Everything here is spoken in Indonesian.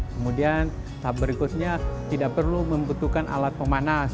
kemudian tahap berikutnya tidak perlu membutuhkan alat pemanas